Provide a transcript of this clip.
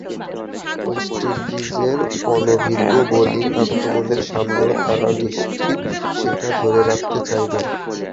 West ইন্ডিজের অনভিজ্ঞ bowling আক্রমণের সামনেও তারা নিশ্চিত সেটা ধরে রাখতে চাইবে।